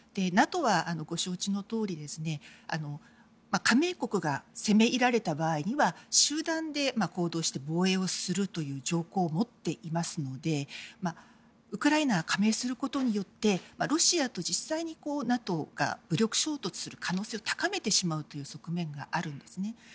ＮＡＴＯはご承知のとおり加盟国が攻め入られた場合には集団で行動して防衛するという条項を持っていますのでウクライナが加盟することによってロシアと実際にＮＡＴＯが武力衝突する可能性を高めてしまう側面があるんですね。